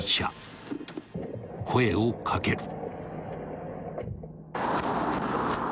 ［声を掛ける］